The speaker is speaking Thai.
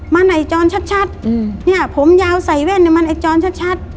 มันไอจรชัดเนี่ยผมยาวใส่แว่นมันไอจรชัด